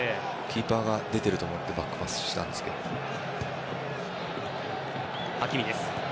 キーパーが出ていると思ってバックパスしたんですけど。